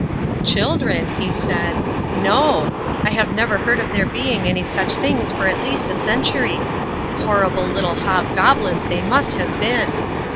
"Children," he said, "no! I have never heard of there being any such things for at least a century. Horrible little hobgoblins they must have been!